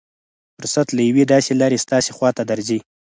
فرصت له يوې داسې لارې ستاسې خوا ته درځي.